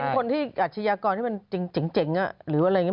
ถ้าเป็นคนที่อาชญากรที่เป็นเจ๋งหรืออะไรอย่างนี้